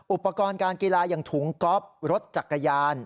อุปกรณ์การกีฬาอย่างถุงก๊อฟรถจักรยาน